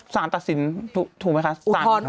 สารตักศิลป์ถูกไหมคะ